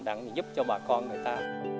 để giúp cho bà con người ta